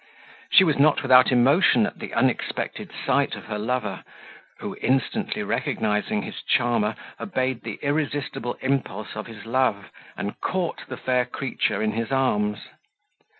She was not without emotion at the unexpected sight of her lover, who instantly recognising his charmer obeyed the irresistible impulse of his love, and caught the fair creature in his arms.